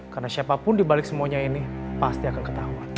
karena siapapun dibalik semuanya ini pasti akan ketahuan